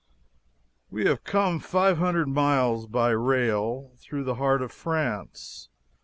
We have come five hundred miles by rail through the heart of France.